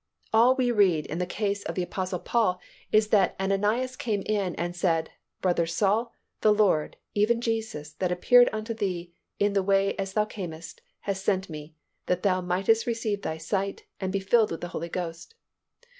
All we read in the case of the Apostle Paul is that Ananias came in and said, "Brother Saul, the Lord, even Jesus, that appeared unto thee in the way as thou camest, hath sent me, that thou mightest receive thy sight, and be filled with the Holy Ghost."